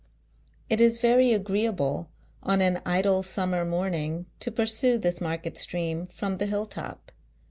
It is very agreeable on an idle summer morning to pursue this market stream from the hill top.